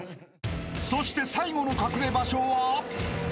［そして最後の隠れ場所は？］